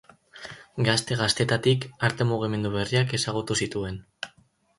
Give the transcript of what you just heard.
Gazte-gaztetatik arte-mugimendu berriak ezagutu zituen.